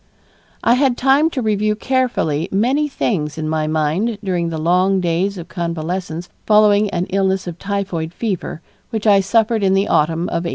I had time to review carefully many things in my mind during the long days of convalescence following an illness of typhoid fever which I suffered in the autumn of 1895.